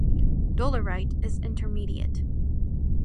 Dolerite is intermediate.